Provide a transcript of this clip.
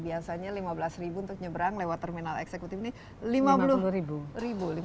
biasanya lima belas ribu untuk nyebrang lewat terminal eksekutif ini lima puluh ribu